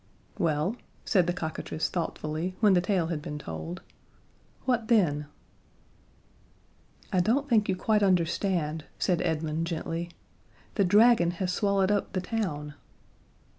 "Well," said the cockatrice thoughtfully, when the tale had been told. "What then?" "I don't think you quite understand," said Edmund gently. "The dragon has swallowed up the town."